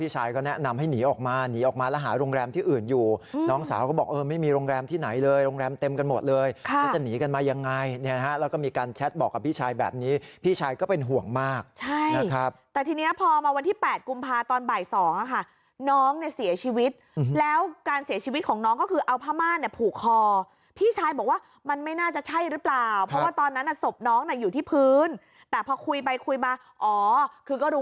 ใช่เนี่ยฮะแล้วก็มีการแชทบอกกับพี่ชายแบบนี้พี่ชายก็เป็นห่วงมากใช่นะครับแต่ทีนี้พอมาวันที่แปดกุมภาตอนบ่ายสองอะค่ะน้องเนี่ยเสียชีวิตแล้วการเสียชีวิตของน้องก็คือเอาผ้ามารเนี่ยผูกคอพี่ชายบอกว่ามันไม่น่าจะใช่หรือเปล่าเพราะว่าตอนนั้นน่ะศพน้องน่ะอยู่ที่พื้นแต่พอคุยไปคุยมาอ๋อคือก็ร